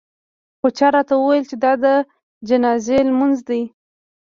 خو چا راته وویل چې دا د جنازې لمونځ دی.